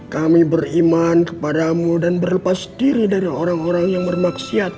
kami beriman kepadamu dan berlepas diri dari orang orang yang bermaksiat